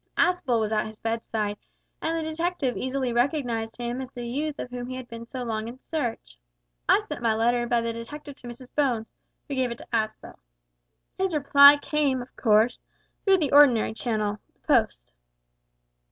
Aspel was at his bedside, and the detective easily recognised him as the youth of whom he had been so long in search. I sent my letter by the detective to Mrs Bones, who gave it to Aspel. His reply came, of course, through the ordinary channel the post."